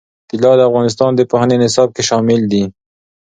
طلا د افغانستان د پوهنې نصاب کې شامل دي.